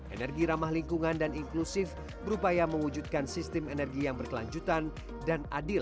energi ramah lingkungan dan inklusif berupaya mewujudkan sistem energi yang berkelanjutan dan adil